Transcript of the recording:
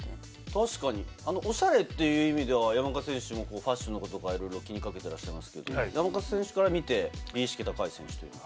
確かに、おしゃれという意味では山中選手もファッションのこととか、いろいろ気にかけてらっしゃいますけれども、山中選手から見て美意識高い選手は？